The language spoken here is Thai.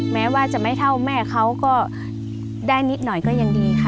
แม้ว่าจะไม่เท่าแม่เขาก็ได้นิดหน่อยก็ยังดีค่ะ